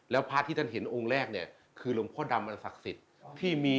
แล้วพระที่ท่านเห็นองค์แรกเนี่ยคือหลวงพ่อดำอันศักดิ์สิทธิ์ที่มี